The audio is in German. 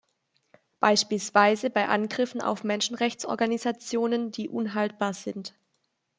Beispielsweise bei Angriffen auf Menschenrechtsorganisationen die unhaltbar sind.